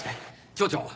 町長。